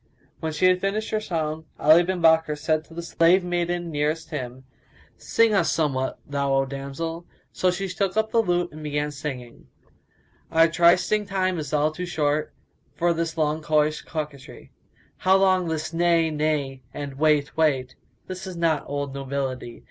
'" When she had finished her song, Ali bin Bakkar said to the slave maiden nearest him, "Sing us somewhat, thou O damsel." So she took the lute and began singing, "Our trysting time is all too short * For this long coyish coquetry: How long this 'Nay, Nay!' and 'Wait, wait?' * This is not old nobility!